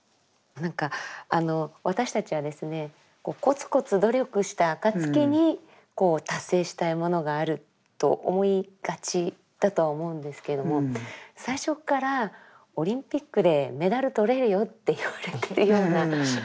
何かあの私たちはですねコツコツ努力した暁に達成したいものがあると思いがちだとは思うんですけども最初からオリンピックでメダル取れるよって言われてるような。